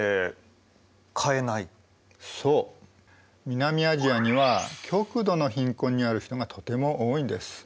南アジアには極度の貧困にある人がとても多いんです。